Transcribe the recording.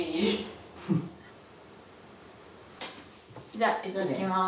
じゃあいってきます。